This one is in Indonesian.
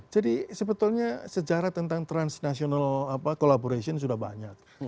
jadi sebetulnya sejarah tentang transnational collaboration sudah banyak